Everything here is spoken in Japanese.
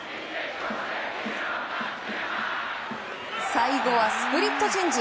最後はスプリットチェンジ。